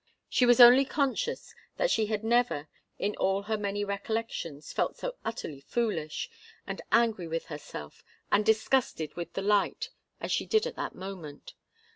She was only conscious that she had never, in all her many recollections, felt so utterly foolish, and angry with herself, and disgusted with the light, as she did at that moment.